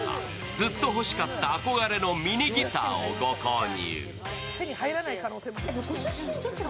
ずっと欲しかった憧れのミニギターをご購入。